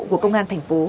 của công an thành phố